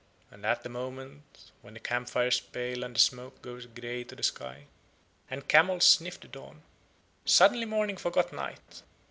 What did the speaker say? And at the moment when the camp fires pale and the smoke goes grey to the sky, and camels sniff the dawn, suddenly Morning forgot Night.